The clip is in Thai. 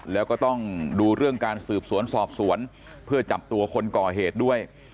แล้วก็ต้องดูเรื่องการสืบสวนสอบสวนเพื่อจับตัวคนก่อเหตุด้วย